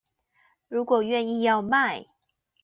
如果願意要賣